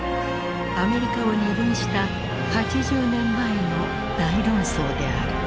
アメリカを二分した８０年前の大論争である。